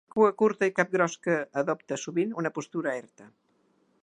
Cua curta i cap gros que adopta, sovint, una postura erta.